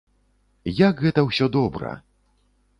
Як гэта ўсё добра!